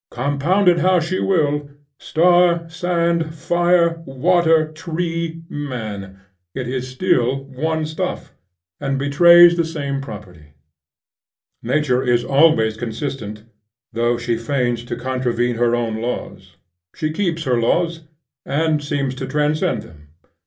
Compound it how she will, star, sand, fire, water, tree, man, it is still one stuff, and betrays the same properties. Nature is always consistent, though she feigns to contravene her own laws. She keeps her laws, and seems to transcend them.